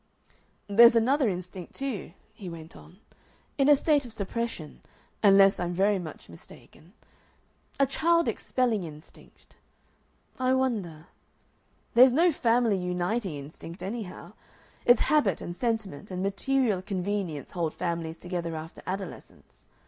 "There's another instinct, too," he went on, "in a state of suppression, unless I'm very much mistaken; a child expelling instinct.... I wonder.... There's no family uniting instinct, anyhow; it's habit and sentiment and material convenience hold families together after adolescence.